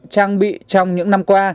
trang bị trong những năm qua